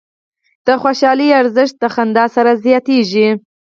د خوشحالۍ ارزښت د خندا سره زیاتېږي.